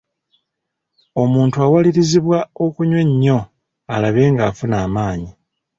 Omuntu awalirizibwa okunywa ennyo alabe ng'afuna amaanyi.